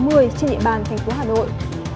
đánh giá disappears trên địa bàn thành phố hà nội